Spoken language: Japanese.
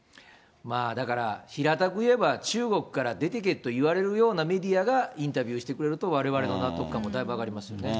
だから、平たく言えば、中国から出てけと言われるようなメディアが、インタビューしてくれると、われわれの納得感もだいぶ上がりますよね。